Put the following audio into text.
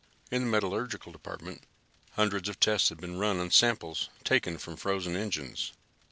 In the metallurgical department hundreds of tests had been run on samples taken from frozen engines.